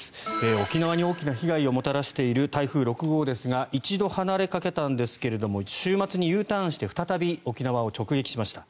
沖縄に、大きな被害をもたらしている台風６号ですが一度離れかけたんですが週末にＵターンして再び沖縄を直撃しました。